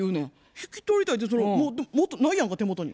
引き取りたいってもうないやんか手元に。